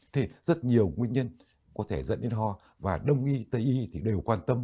thì rất nhiều nguyên nhân có thể dẫn đến ho và đông y tây y thì đều quan tâm